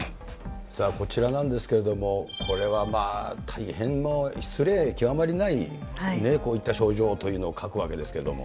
こちらなんですけれども、これはまあ、大変失礼極まりない、こういった症状というのを書くわけですけれども。